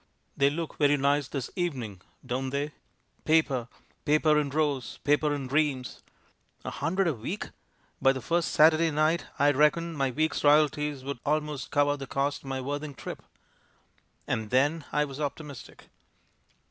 They look very nice this evening, don't they? Paper! Paper in rows! Paper in reams! "A hundred a week? By the first Saturday night I reckoned my week's royalties would about cover the cost of my Worthing trip ! And then I was optimistic.